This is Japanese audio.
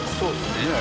ねえ。